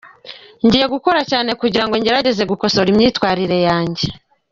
Ngiye gukora cyane kugirango ngerageze nkosore imyitwarire yanjye ”.